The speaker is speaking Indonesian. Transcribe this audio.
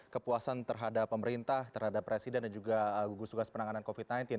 kepuasan terhadap pemerintah terhadap presiden dan juga gugus tugas penanganan covid sembilan belas